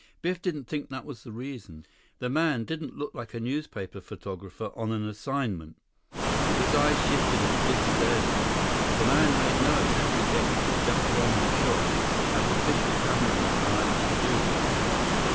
Biff didn't think that was the reason. The man didn't look like a newspaper photographer on an assignment. His eyes shifted as Biff stared at him. The man made no attempt to get "just one more shot," as official cameramen are apt to do.